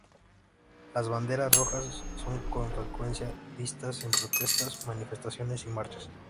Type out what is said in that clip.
Las banderas rojas son con frecuencia vistas en protestas, manifestaciones y marchas.